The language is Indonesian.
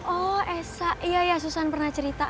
oh esa iya iya susan pernah cerita